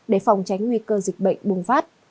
để phòng tránh nguy cơ dịch bệnh bùng phát